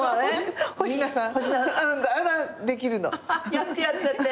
やってやってやって。